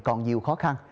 còn nhiều khó khăn